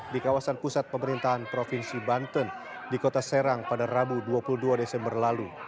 di kawasan pusat pemerintahan provinsi banten di kota serang pada rabu dua puluh dua desember lalu